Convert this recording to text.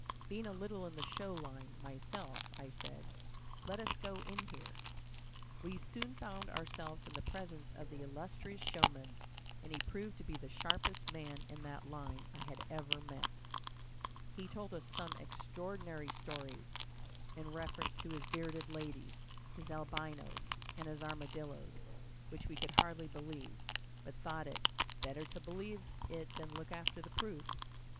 Being a little in the "show line" myself, I said "let us go in here." We soon found ourselves in the presence of the illustrious showman, and he proved to be the sharpest man in that line I had ever met. He told us some extraordinary stories in reference to his bearded ladies, his Albinos, and his Armadillos, which we could hardly believe, but thought it "better to believe it than look after the proof'."